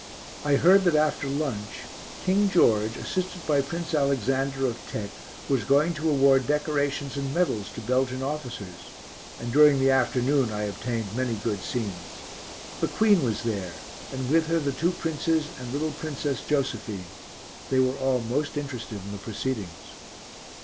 I heard that after lunch King George, assisted by Prince Alexander of Teck, was going to award decorations and medals to Belgian officers, and during the afternoon I obtained many good scenes. The Queen was there, and with her the two Princes and little Princess Josephine. They were all most interested in the proceedings.